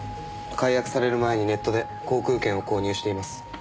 解約される前にネットで航空券を購入しています。